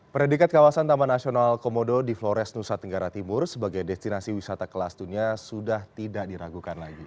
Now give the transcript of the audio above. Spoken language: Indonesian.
predikat kawasan taman nasional komodo di flores nusa tenggara timur sebagai destinasi wisata kelas dunia sudah tidak diragukan lagi